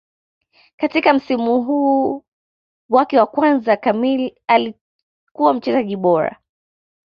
Katika msimu wake wa kwanza kamili alikuwa mchezaji bora